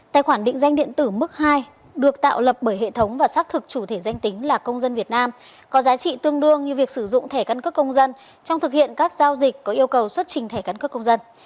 tài khoản định danh điện tử mức hai được tạo lập bởi hệ thống và xác thực chủ thể danh tính là công dân việt nam có giá trị tương đương như việc sử dụng thẻ căn cước công dân trong thực hiện các giao dịch có yêu cầu xuất trình thẻ căn cước công dân